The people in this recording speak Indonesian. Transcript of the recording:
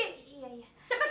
cepet sekarang kerja